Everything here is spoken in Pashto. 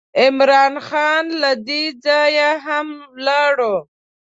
عمرا خان له دې ځایه هم ولاړ.